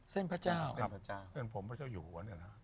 เส้นผมพระเจ้าอยู่อันนี้นะครับ